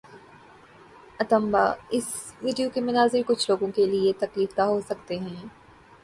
انتباہ: اس ویڈیو کے مناظر کچھ لوگوں کے لیے تکلیف دہ ہو سکتے ہیں